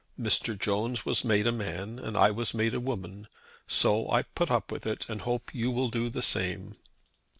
Mr. Jones was made a man, and I was made a woman. So I put up with it, and I hope you will do the same.